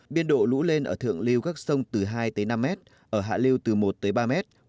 biên độ lũ lên ở thượng lưu các sông từ hai tới năm mét ở hạ liêu từ một tới ba mét